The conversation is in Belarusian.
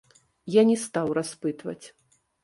Я не стаў распытваць.